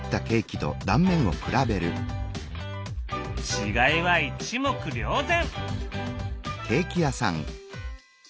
違いは一目瞭然！